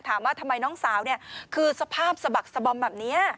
ถามว่าทำไมน้องสาวคือสภาพสบักสบมแบบนี้